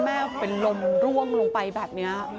แม่เป็นลมร่วงลงไปแบบนี้